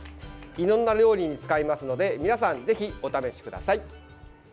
いろんな料理に使えますので皆さんぜひ、お試しください。